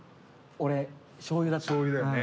俺しょうゆだった。